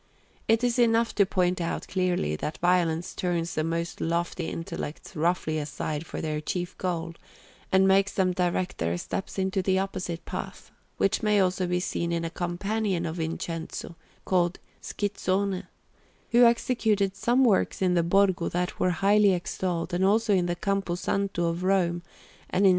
It is enough to point out clearly that violence turns the most lofty intellects roughly aside from their chief goal, and makes them direct their steps into the opposite path; which may also be seen in a companion of Vincenzio, called Schizzone, who executed some works in the Borgo that were highly extolled, and also in the Campo Santo of Rome and in S.